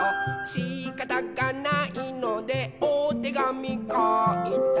「しかたがないのでおてがみかいた」